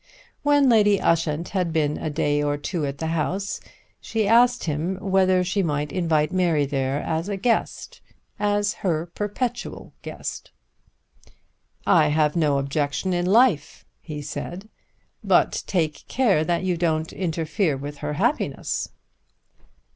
When Lady Ushant had been a day or two at the house she asked him whether she might invite Mary there as her guest, as her perpetual guest. "I have no objection in life," he said; "but take care that you don't interfere with her happiness."